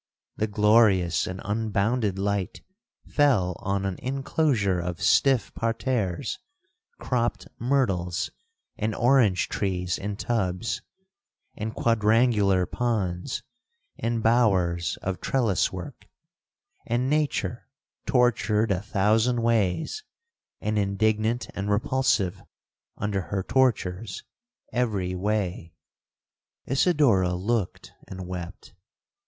The glorious and unbounded light fell on an inclosure of stiff parterres, cropped myrtles and orange trees in tubs, and quadrangular ponds, and bowers of trellis work, and nature tortured a thousand ways, and indignant and repulsive under her tortures every way. 'Isidora looked and wept.